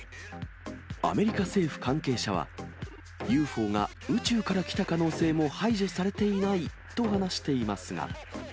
アメリカ政府関係者は、ＵＦＯが宇宙から来た可能性も排除されていないと話していますが。